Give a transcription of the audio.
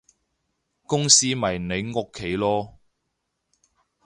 公司咪你屋企囉